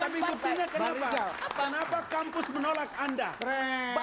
tapi mungkinnya kenapa